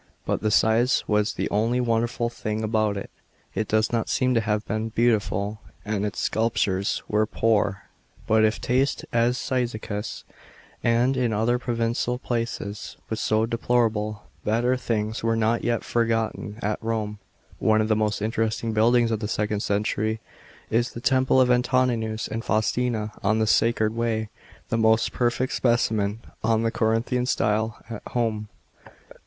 But the size was the only wonderful th ng ab >ut it. It does not seem to have been beautiful, and its sculptures we>e poor. Hut if taste at < 'y/.icus and in other provincial places was so deplorable, better thin. s were not yet forgotten at Rome. One of the most interesting buildings of the second century is the temple of Antoninus and Faustina, on. the Sacred Way — the most perfect specimen of the Corinthian style at Home.